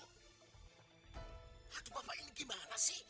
aduh bapak ini gimana sih